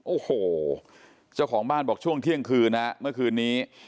โอ้โหเจ้าของบ้านบอกช่วงเที่ยงคืนนะเมื่อคืนนี้